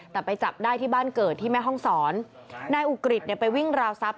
แต่ไปจับได้ที่บ้านเกิดที่แม่ห้องศรนายอุกฤษเนี่ยไปวิ่งราวทรัพย